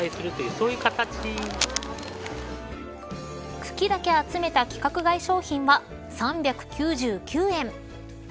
茎だけ集めた規格外商品は３９９円。